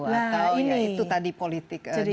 atau ya itu tadi politik nah ini jadi